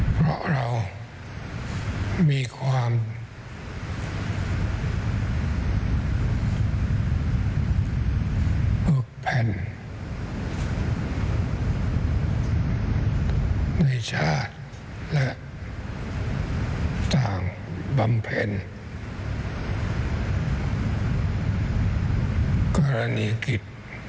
เพราะเรามีความอดแผ่นในชาติและต่างบำเพ็ญกรณีผิด